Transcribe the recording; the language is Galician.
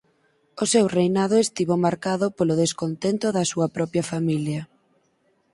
O seu reinado estivo marcado polo descontento da súa propia familia.